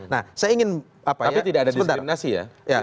tapi tidak ada diskriminasi ya